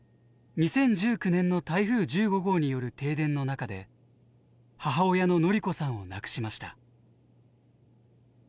２０１９年の台風１５号による停電の中で母親の典子さんを亡くしました。